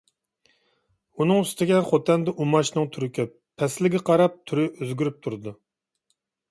ئۇنىڭ ئۈستىگە خوتەندە ئۇماچنىڭ تۈرى كۆپ. پەسىلگە قاراپ تۈرى ئۆزگىرىپ تۇرىدۇ.